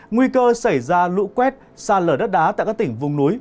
nguy cơ xảy ra lũ quét xa lở đất đá tại các tỉnh vùng núi